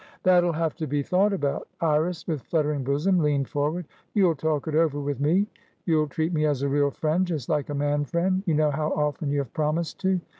"That'll have to be thought about." Iris, with fluttering bosom, leaned forward. "You'll talk it over with me? You'll treat me as a real friendjust like a man friend? You know how often you have promised to."